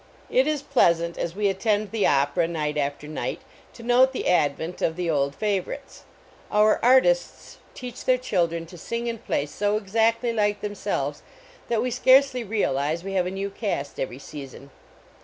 It is pleasant, as we attend the opera night after night, to note the advent of the old fa vorites. Our artists teach their children to sing and play so exactly like themselves that \\v scarcely realize we have a new cast every season.